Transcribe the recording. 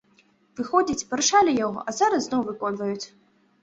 Выходзіць, парушалі яго, а зараз зноў выконваюць.